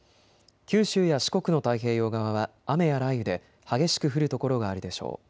九州や四国の太平洋側は雨や雷雨で激しく降る所があるでしょう。